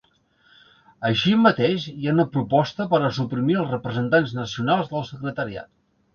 Així mateix, hi ha una proposta per a suprimir els representants nacionals del secretariat.